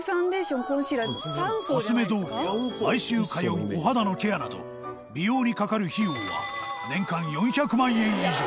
コスメ道具や毎週通うお肌のケアなど美容にかかる費用は年間４００万円以上